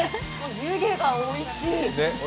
湯気がおいしい。